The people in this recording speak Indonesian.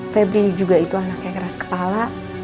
febri juga itu anak yang keras kepala